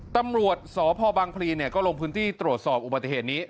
ตำรวจสพบังพลีก็ลงพื้นที่ตรวจสอบอุบัติเหตุนี้